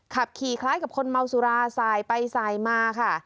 ขับขี่คล้ายกับคนเมาสุราสายไปสายมาค่ะ